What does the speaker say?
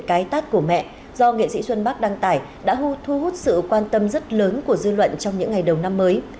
cái tát của mẹ do nghệ sĩ xuân bắc đăng tải đã thu hút sự quan tâm rất lớn của dư luận trong những ngày đầu năm mới